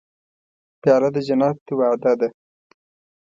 پیاله د جنت وعده ده.